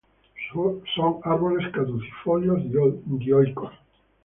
Son árboles caducifolios, dioicos.